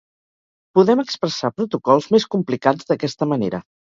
Podem expressar protocols més complicats d'aquesta manera.